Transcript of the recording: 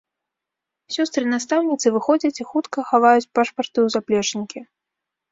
Сёстры-настаўніцы выходзяць і хутка хаваюць пашпарты ў заплечнікі.